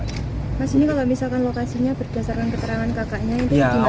mas ini kalau misalkan lokasinya berdasarkan keterangan kakaknya itu gimana